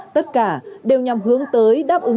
tất cả đều nhằm hướng tới đáp ứng